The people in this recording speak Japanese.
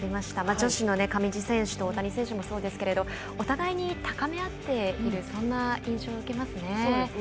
女子の上地選手と大谷選手もそうですけどお互いに高めあっているそんな印象を受けますね。